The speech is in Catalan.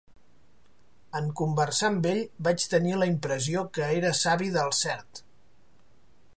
En conversar amb ell vaig tenir la impressió que era savi del cert.